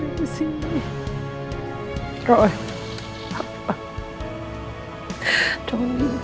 jangan tinggalkan aku